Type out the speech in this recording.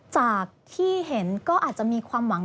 จากที่เห็นก็อาจจะมีความหวัง